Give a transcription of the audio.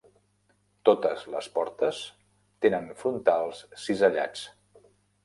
Totes les portes tenen frontals cisellats.